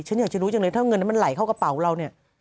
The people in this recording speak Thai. ฉันอยากจะรู้จังเลยถ้าเงินนั้นมันไหลเข้ากระเป๋าเราเนี่ย